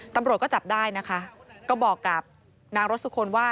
ตำรวจก็จับได้นะคะก็บอกกับนางรสสุคนว่า